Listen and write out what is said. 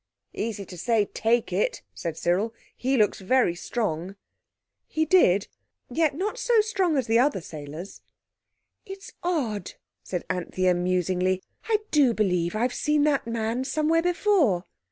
"Easy to say 'take it'," said Cyril; "he looks very strong." He did—yet not so strong as the other sailors. "It's odd," said Anthea musingly, "I do believe I've seen that man somewhere before."